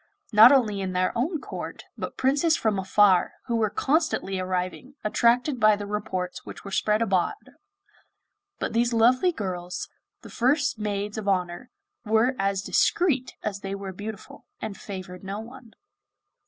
Not only in their own court, but princes from afar, who were constantly arriving, attracted by the reports which were spread abroad; but these lovely girls, the first Maids of Honour, were as discreet as they were beautiful, and favoured no one.